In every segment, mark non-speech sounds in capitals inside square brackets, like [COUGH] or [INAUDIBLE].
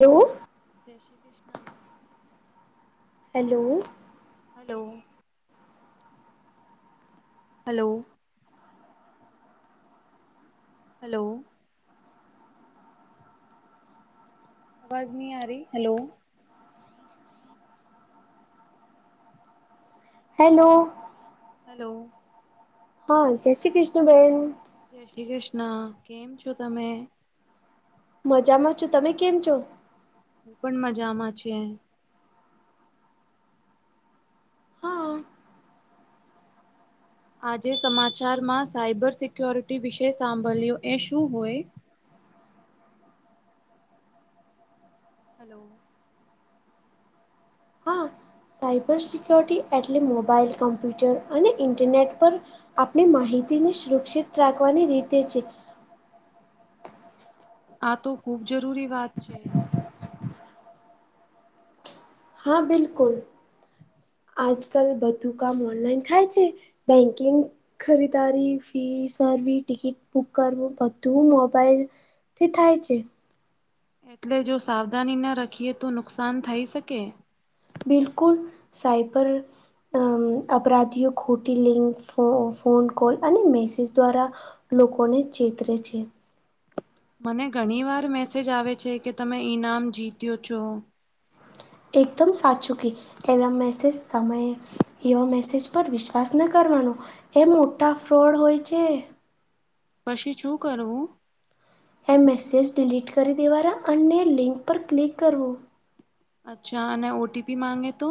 એવું જય Shri Krishna hello.. hello.... hello.... hello અવાજ નહી આ રહી હલો હેલો હલો હા જય શ્રી કૃષ્ણ બહેન જય શ્રી કૃષ્ણ કેમ છો તમે મજામાં છું તમે છો હું પણ મજામાં છે. હા આજે સમાચારમાં સાયબર સિક્યોરિટી વિશેય સાંભળ્યો એ શું હોય હલો હા સાયબર સિક્યોરિટી એટલે મોબાઈલ કમ્પ્યુટર અને ઇન્ટરનેટ પર આપણે માહિતીને સુરક્ષિત રાખવાની રીતે છે. આ તો ખુબ જરૂરી વાત છે. હા બિલકુલ આજકાલ બધું કામ ઓનલાઈન થાય છે બેંકિંગ ખરીદારી ફી કરવી ટિકિટ બુક કરવું બધું મોબાઈલ થી થાય છે. એટલે જો સાવધાની ન રાખીએ તો નુકસાન થઈ શકે બિલકુલ સાઇબર અ અપરાધીઓ ખોટી લિંક ફો ફોન કોલ અને મેસેજ દ્વારા લોકોને ચેતરે છે. મને ઘણી વાર મેસેજ આવે છે કે તમે ઈનામ જીત્યો છો એકદમ સાચું કી કેવા મેસેજ સમયે એવા મેસેજ પર વિશ્વાસ ન કરવાનો એ મોટા ફ્રોડ હોય છે. પછી શું કરવું એ મેસેજ ડિલીટ કરી દેવારા અન્ય લિંક પર ક્લિક કરવો અચ્છા અને ઓ ટી પી માગે તો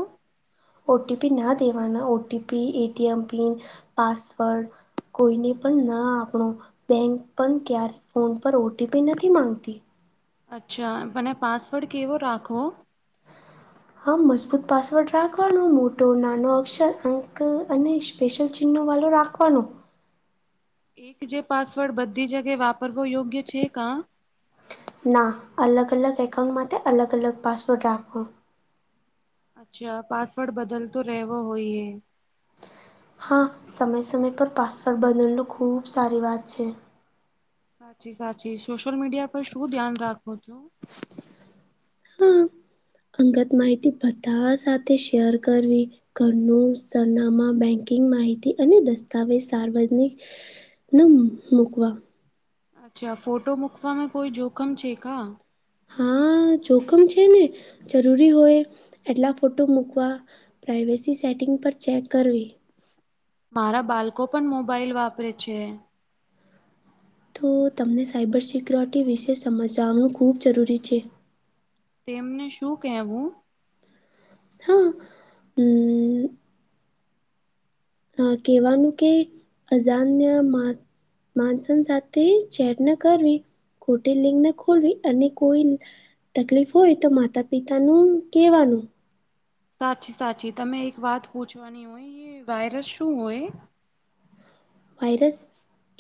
ઓ ટી પી ના દેવાના O T P ATM pin password કોઈને પણ ના આપણો બેંક પણ ક્યારે ફોન પર ઓટીપી નથી માંગતી અચ્છા મને પાસવર્ડ કેવો રાખવો હમ મજબૂત પાસવર્ડ રાખવાનો મોટો નાનો અક્ષર અંક અને કેક્શન ચિહ્ન વાળું રાખવાનું એક જે પાસવર્ડ બધી જગ્યા વાપરવો યોગ્ય છે કા ના અલગ અલગ એકાઉન્ટમાં માટે અલગ અલગ પાસવર્ડ રાખો અચ્છા પાસવર્ડ બદલ તો રહેવો હોય એ હા સમય સમય પર પાસવર્ડ બદલનું ખૂબ સારી વાત છે. સાચી સાચી સોશિયલ મીડિયા પર શું ધ્યાન રાખો છો હા. અંગત માહિતી બધા સાથે શેર કરવી ઘરનું સરનામા બેન્કિંગ માહિતી અને દસ્તાવેજ સાર્વજનિક નું મૂકવા અચ્છા ફોટો મૂકવાવામાં કોઈ જોખમ છે કા હા જોખમ છે ને જરૂરી હોય એટલા ફોટો મૂકવા પ્રાઈવેસી સેટિંગ પર ચેક કરવી. મારા બાલ્કો પન મોબાઈલ વાપરે છે. તો તમને સાયબર સિક્યોરિટી વિશે સમજાવાનું ખૂબ જરૂરી છે. તેમને શું કહેવું? હા, હમ્મ અ કેવાનું કે અજાન્ય મા માનસન સાથે ચેટ ન કરવી. ખોટી લિંક ન ખોલવી અને કોઈ તકલીફ હોય તો માતા પિતાન કહેવાનું સાચી સાચી, તમે એક વાત પૂછવાની હોય. એ વાયરસ શું હોય? વાયરસ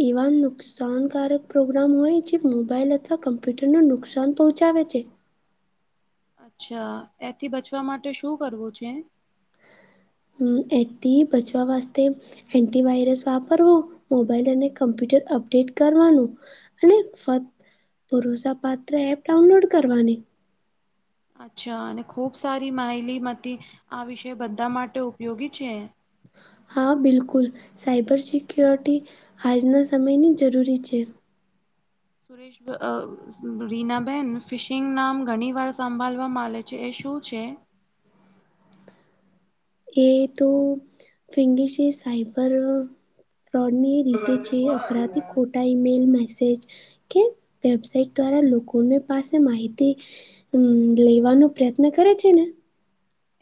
એવા નુ નુકશાનકારક પ્રોગ્રામ હોય જે મોબાઈલ અથવા કમ્પ્યુટરનું નુકસાન પહોંચાવે છે. અચ્છા, એથી બચવા માટે શું કરવું છે? હમ્મ, એથી બચવા વાસ્તે એન્ટીવાયરસ વાપરવો, મોબાઈલ અને કમ્પ્યુટર અપડેટ કરવાનું અને ફત ભરોસાપાત્ર એપ ડાઉનલોડ કરવાની. અચ્છા અને ખૂબ સારી માહલીમતી આ વિષય બધા માટે ઉપયોગી છે. હા બિલકુલ, સાયબર સિક્યોરિટી આજના સમયની જરૂરી છે. સુરેશ અ રીનાબેન ફિશિંગ નામ ઘણીવાર સાંભલવા મલે છે એ શું છે? એ તો ફિંગીશી સાઈબર ફ્રોડની રીતે છે. અપરાધી ખોટા, ઈમેલ, મેસેજ કે વેબસાઇટ દ્વારા લોકોનું પાસે માહિતી હમ, લેવાનો પ્રયત્ન કરે છેને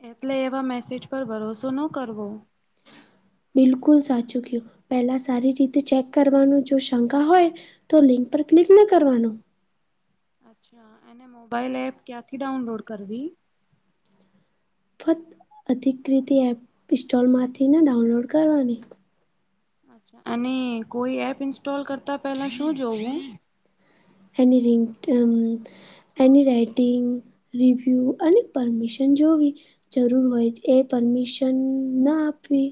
એટલે એવા મેસેજ પર ભરોસો ન કરવો. બિલકુલ સાચું ક્યું પહેલા સારી રીતે ચેક કરવાનું જો શંકા હોય તો લિંક પર ક્લિક નઇ કરવાનું. અચ્છા, એને મોબાઈલ એપ ક્યાંથી ડાઉનલોડ કરવી? ફત અધિકૃતિ એપ ઇસ્ટોલમાંથીને ડાઉનલોડ કરવાની. અને કોઈ એપ ઇન્સ્ટોલ કરતા પેલા શું જોવું? એની રિંગ ટમ એની રાઈટિંગ, રિવ્યૂ અને પરમિશન જોવી. જરૂર હોય છ એ પરમિશન ન આપવી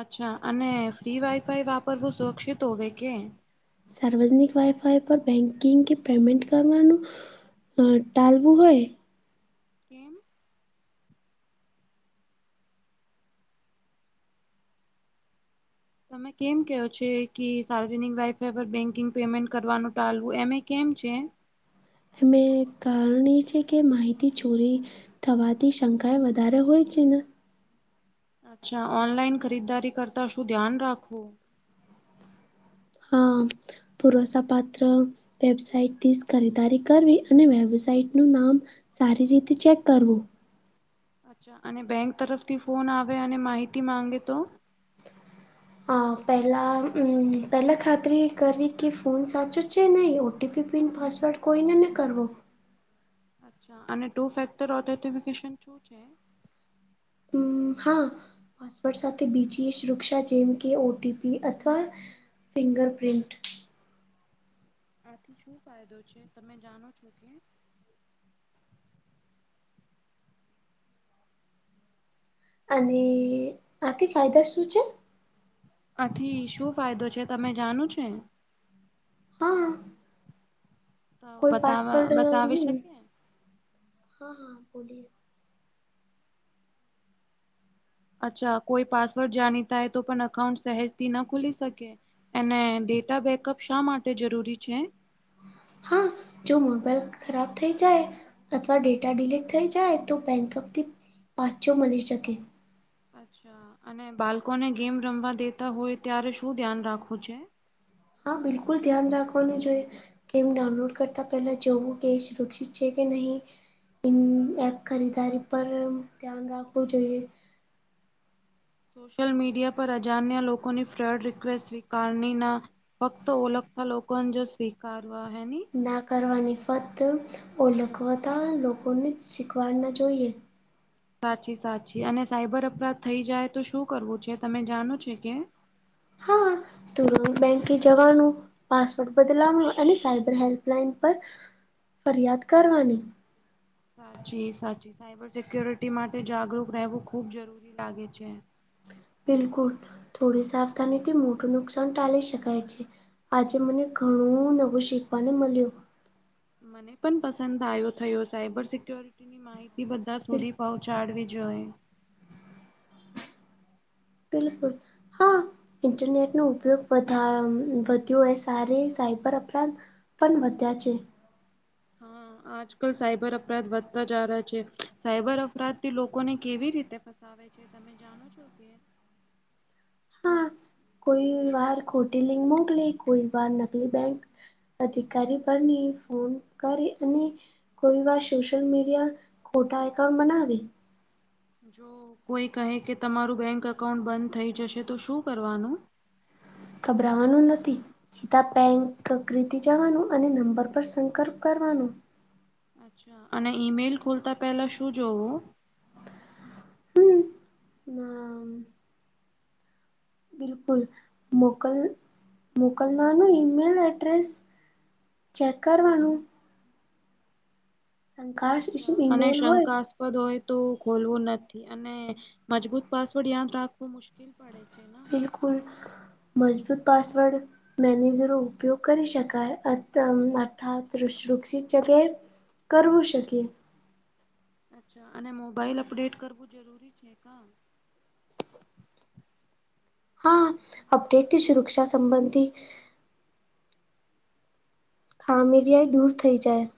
અચ્છા, અને ફ્રી વાઈફાઈ વાપરવું સુરક્ષિત હોવે કે? સાર્વજનિક વાઇફાઈ પર બેંકિંગ કે પેમેન્ટ કરવાનું હ ટાલવું હોય કેમ? તમે કેમ કહયો છો કે સાર્વજનિક વાઈફાઈ પર બેન્કિંગ પેમેન્ટ કરવાનું ટાલવું એમે કેમ છે? એમે કારણ એ છે કે માહિતી ચોરી થવાથી શંકાએ વધારે હોય છે ને? અચ્છા, ઓનલાઈન ખરીદારી કરતા શું ધ્યાન રાખવું? હા, ભરોસાપાત્ર વેબસાઇટથી જ ખરીદારી કરવી અને વેબસાઇટનું નામ સારી રીતે ચેક કરવું. અચ્છા, અને બેંક તરફથી ફોન આવે અને માહિતી માંગે તો? અ પહેલાં અમ પહેલાં ખાતરી કરવી કે ફોન સાચો છે નઈ ઓ ઓટીપી પિન પાસવર્ડ કોઈને ન કરવો, અચ્છા, અને ટુ ફેક્ટર ઓથેન્ટિફિકેશન શું છે?, હમમ હા, પાસવર્ડ સાથે બીજીય સુૃરક્ષા જેમ કે ઓટીપી અથવા ફિંગરપ્રિન્ટ, આથી શું ફાયદો તમે જાણો છો કે, અને, આથી ફાયદા શું છે?, આથી શું ફાયદોછે તમે જાણો છો એ, હા, તો કોઈ બતાવા પાસવર્ડ બતાવી હમ શકે? હા હા બોલીએ, અચ્છા કોઈ પાસવર્ડ જાણીતાય તો પણ અકાઉન્ટ સહેજથી ન ખુલી શકે, એને ડેટા બેકઅપ શા માટે જરૂરી છે?, હા, જો મોબાઈલ ખરાબ થઈ જાય, અથવા ડેટા ડિલીટ થઈ જાય તો બેંકઅપથી પાછો મલી શકે, અચ્છા અને બાલકોને ગેમ રમવા દેતા હોય ત્યારે શું ધ્યાન રાખવું છે?, હા બિલકુલ ધ્યાન રાખવાનું છે, ગેમ ડાઉનલોડ કરતાં પહેલા જોવું કે એ સુરક્ષિત છે કે નહીં, ઇન એપ ખરીદારી પર ધ્યાન રાખવું જોઈએ., સોશિયલ મીડિયા પર અજાણ્યા લોકોની ફ્રેન્ડ રિક્વેસ્ટ સ્વીકારવી નહી, ફક્ત ઓળખતા લોકોની જ સ્વીકારવા ની, ના કરવાની ફક્તઓળખતા લોકોની સ્વીકારવી જોઈએ., સાચી સાચી, અને સાયબર અપરાધ થઈ જાય તો શું કરવું છે તમે જાણો છો કે?, હા. તરત બેંકે જવાનું., પાસવોર્ટ બદલાવો અને સાયબર હેલ્પલાઇન પર ફરિયાદ કરવાની., સાચી સાચી સાયબર સિક્યોરિટી માટે જાગૃત રહેવું ખૂબ જરૂરી લાગે છે., બિલકુલ! થોડી સાવધાનીથી મોટું નુકસાન ટાલી શકાય છે., આજે મને ઘણું નવું શીખવાને મળ્યું., મને પણ પસંદ આવ્યો થયો, સાયબર સિક્યોરિટી -, ની માહિતી બધા સુધી પહોંચાડવી જોઈએ., બિલકુલ., હા. ઇન્ટરનેટ નો ઉપયોગ વધા વધ્યો એય સારી સાયબર અપરાધ, - પણ વધ્યા છે., હા આજકાલ સાયબર અપરાધ વધતા જ રહે એમમેંછે. સાયબર અપરાધથી લોકોને કેવી રીતે - ફસાવે છે? તમે જાણો છો કે?, હા કોઈ વાર ખોટી લિંક મોકલી. કોઈ વાર નકલી બેંક અધિકારી બની ફોન કરી અને, કોઈ વાર સોસિ્યલ મિડિયા ખોટા એકાઉન્ટ બનાવી. જો કોઈ કહે કે તમારું બેંક અકાઉન્ટ બંધ થઈ જશે તો શું કરવાનું?, ઘભરાવાનું નથી., સીધા બેન્ક કૃતિ જવાનું અને નંબર પર સંકર્પ કરવાનો., અચ્છા અને ઈમેલ ખોલતા પહેલા શું જોવું?, હમ. અ..., બિલકુલ. મોકલ મોકલનાનું ઈમેલ એડ્રેસ, ચેક કરવાનું., શંકાશ અચ્છા. અને ઈમેલ હોય શંકાસપદ, [UNINTELLIGIBLE] હોય તો ખોલવું નથી, અને મજબૂત પાસવર્ડ યાદ રાખવું મુશ્કેલ પાડે છેે ના? બિલકુલ મજબૂત પાાસવર્ડ મેની જરૂર ઉપયોગ કરી શકાય. અર્થાત વૃક્ષિત જગ્યાએ કરવું શકીએ. અચ્છા અને મોબાઈલ અપડેટ કરવું જરૂરી છે કા? હા અપડેટથી સુરક્ષા સંબંધી ખામીરિયાએ દૂર થઈ જાય.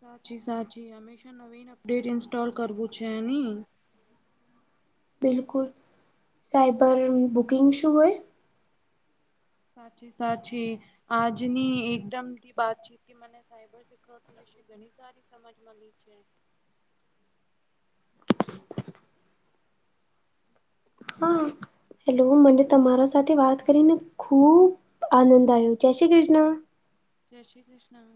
સાચી સાચી હંમેશા નવીન અપડેટ ઈન્સ્ટોલ કરવું છે ની? બિલકુલ. સાયબર બુકિંગ શું હોય? સાચી સાચી આજની એકદમથી વાત છે, કે મને સાયબર સિક્યોરિટી વિશે ઘણી સારી સમજ મળી છે. હા. હેલો. મને તમારા સાથે વાત કરીને ખૂબ આનંદ આવ્યો, જય શ્રી કૃષ્ણ. જય શ્રી કૃષ્ણ.